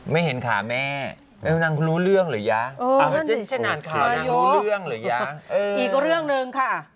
ไม่เห็นกรอแม่รู้เรื่องหรือยังรู้เรื่องหรือยังอีกเรื่องเลยค่ะ